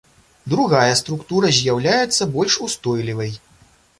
Другая структура з'яўляецца больш устойлівай.